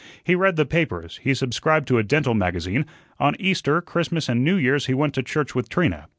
He read the papers, he subscribed to a dental magazine; on Easter, Christmas, and New Year's he went to church with Trina.